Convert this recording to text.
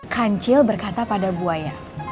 kancil berkata pada buaya